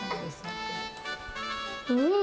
うん！